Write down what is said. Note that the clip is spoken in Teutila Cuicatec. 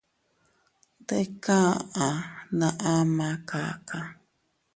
Tika aʼa na ama kaka.